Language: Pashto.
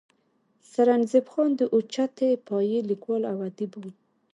سرنزېب خان د اوچتې پائې ليکوال او اديب وو